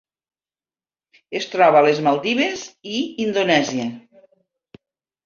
Es troba a les Maldives i Indonèsia.